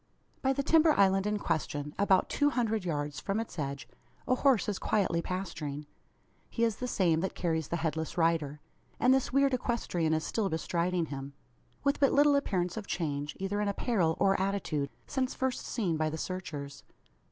By the timber island in question about two hundred yards from its edge a horse is quietly pasturing. He is the same that carries the headless rider; and this weird equestrian is still bestriding him, with but little appearance of change, either in apparel or attitude, since first seen by the searchers.